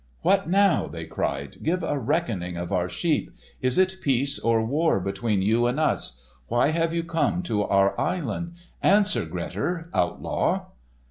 "What now?" they cried. "Give a reckoning of our sheep. Is it peace or war between you and us? Why have you come to our island? Answer, Grettir—outlaw."